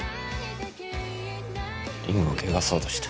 リングを汚そうとした。